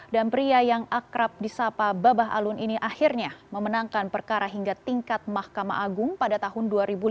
dan pria yang akrab di sapa babah alun ini akhirnya memenangkan perkara hingga tingkat mahkamah agung pada tahun dua ribu lima belas